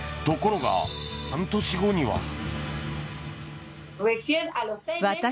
ところが、その半年後には。